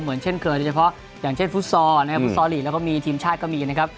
เหมือนเช่นเคยอย่างเช่นฟุตซอร์ฟุตซอร์ลีดแล้วก็มีทีมชาติก็มีนะครับ